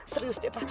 serius deh pak